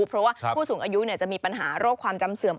เพราะว่าผู้สูงอายุจะมีปัญหาโรคความจำเสื่อม